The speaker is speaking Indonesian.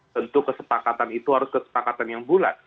tentu kesepakatan itu harus kesepakatan yang bulat